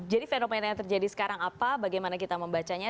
jadi fenomena yang terjadi sekarang apa bagaimana kita membacanya